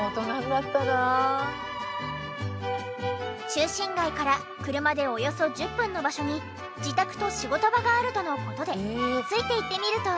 中心街から車でおよそ１０分の場所に自宅と仕事場があるとの事でついていってみると。